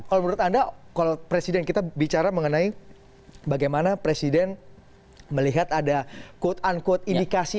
kalau menurut anda kalau presiden kita bicara mengenai bagaimana presiden melihat ada quote unquote indikasi